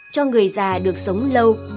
cho người già được sống lâu